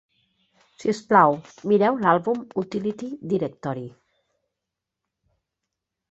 Si us plau, mireu l'àlbum Utility Directory.